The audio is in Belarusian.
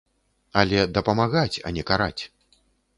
Але дапамагаць, а не караць.